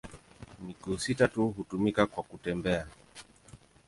Miguu sita tu hutumika kwa kutembea.